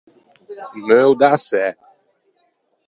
Meuo da-a sæ!